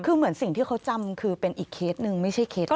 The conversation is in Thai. คือเหมือนสิ่งที่เขาจำคือเป็นอีกเคสหนึ่งไม่ใช่เคสนี้